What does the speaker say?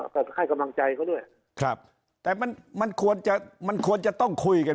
ก็ให้กำลังใจเขาด้วยครับแต่มันมันควรจะมันควรจะต้องคุยกัน